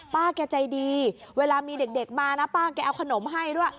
ป้าแกใจดีเวลามีเด็กมานะป้าแกเอาขนมให้ด้วย